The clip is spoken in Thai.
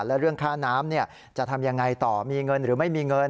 และเรื่องค่าน้ำจะทำยังไงต่อมีเงินหรือไม่มีเงิน